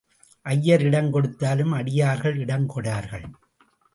ஐயர் இடம் கொடுத்தாலும் அடியார்கள் இடம் கொடார்கள்.